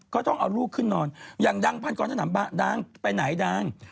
ก็ต้องเอาลูกขึ้นนอนอย่างดังพันกรสนามบะดังไปไหนดัง